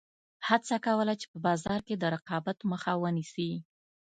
هڅه کوله چې په بازار کې د رقابت مخه ونیسي.